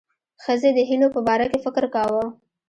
ښځې د هیلو په باره کې فکر کاوه.